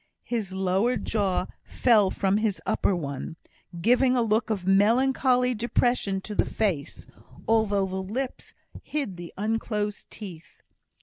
His lower jaw fell from his upper one, giving a look of melancholy depression to the face, although the lips hid the unclosed teeth.